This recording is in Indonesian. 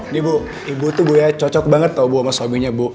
ini bu ibu tuh bu ya cocok banget loh bu sama suaminya bu